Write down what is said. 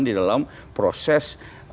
di dalam proses